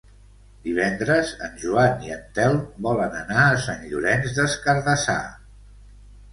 Divendres en Joan i en Telm volen anar a Sant Llorenç des Cardassar.